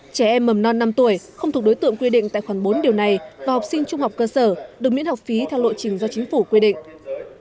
trẻ em mầm non năm tuổi không thuộc đối tượng quy định tại khoản bốn điều này và học sinh trung học cơ sở được miễn học phí theo lộ trình do chính phủ quy định